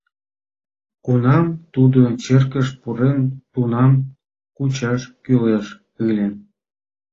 Кунам тудо черкыш пурен, тунам кучаш кӱлеш ыле.